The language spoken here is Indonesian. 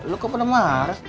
lo kok pernah marah